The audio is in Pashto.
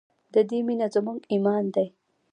د دې مینه زموږ ایمان دی؟